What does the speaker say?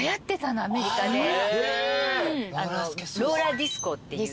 ローラーディスコっていう。